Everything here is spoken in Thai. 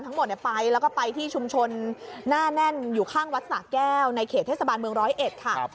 ทั้งหมดไปแล้วก็ไปที่ชุมชนหน้าแน่นอยู่ข้างวัดสะแก้วในเขตเทศบาลเมืองร้อยเอ็ดค่ะ